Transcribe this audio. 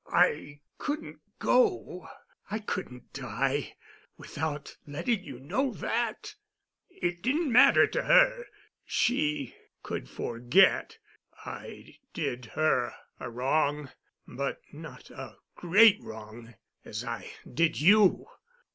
I couldn't go—I couldn't die without letting you know that. It didn't matter to her—she could forget. I did her a wrong, but not a great wrong, as I did you.